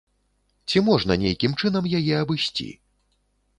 Ці можна нейкім чынам яе абысці?